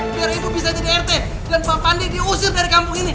biar ibu bisa jadi rt dan pak pandu diusir dari kampung ini